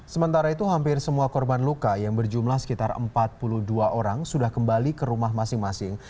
sementara itu hampir semua korban luka yang berjumlah sekitar empat puluh dua orang sudah kembali ke rumah masing masing